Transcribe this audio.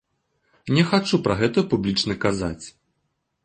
Не хачу пра гэта публічна казаць.